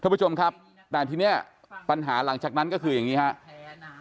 ผู้ชมครับแต่ทีนี้ปัญหาหลังจากนั้นก็คืออย่างนี้ครับ